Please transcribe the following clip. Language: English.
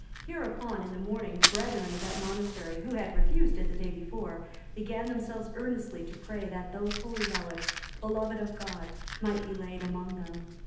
Hereupon, in the morning, the brethren of that monastery who had refused it the day before, began themselves earnestly to pray that those holy relics, beloved of God, might be laid among them.